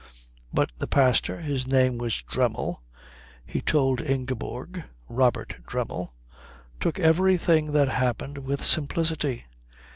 But the pastor his name was Dremmel, he told Ingeborg: Robert Dremmel took everything that happened with simplicity.